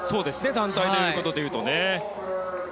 団体ということで言うと。